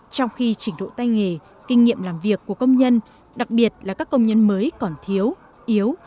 trong khi trình độ tay nghề kinh nghiệm làm việc của công nhân đặc biệt là các công nhân mới còn thiếu yếu